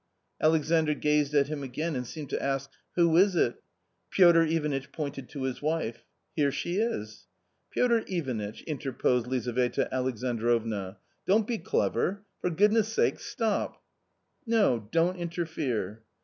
V ""Alexandr gazed at him again and seemed to ask " Who \is it ?" Piotr Ivanitch pointed to his wife. " Here she is."' "Piotr Ivanitch," interposed Iizaveta^.Alj^ajidroxna, " don't f>e clever ; for goodness' sa£e, stop." " No, don't interfere."